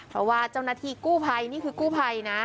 เพราะว่าเจ้าหน้าที่กู้ภัยนี่คือกู้ภัยนะ